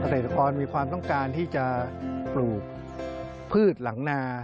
เกษตรกรมีความต้องการที่จะปลูกพืชหลังนา